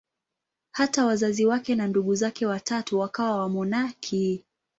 Hata wazazi wake na ndugu zake watatu wakawa wamonaki.